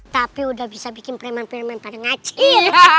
tapi udah bisa bikin preman preman pada ngacil